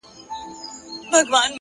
هره لاسته راوړنه له لومړي ګام پیلېږي